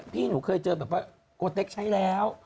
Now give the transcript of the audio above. พี่หนูเคยเจอแบบว่าโกเต็กใช้แล้ว